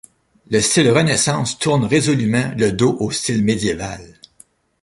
Le style Renaissance tourne résolument le dos au style médiéval.